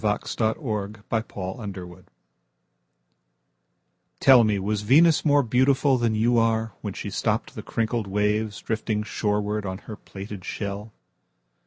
Venus Transiens By Amy Lowell TELL me, Was Venus more beautifulThan you are, When she stoppedThe crinkled waves, Drifting shorewardOn her plaited shell?